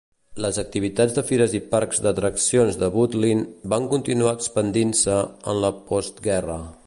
Les activitats de fires i parcs d'atraccions de Butlin van continuar expandint-se en la postguerra.